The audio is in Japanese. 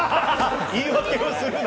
言い訳をするな！